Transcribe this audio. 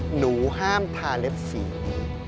หนูห้ามทาเล็บสี